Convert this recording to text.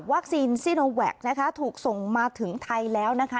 วัคซีนซิโนแวกถูกส่งมาถึงไทยแล้วนะคะ